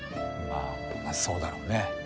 まあそうだろうね。